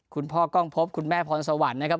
คุณพ่อกล้องพบคุณแม่พรสวรรค์นะครับ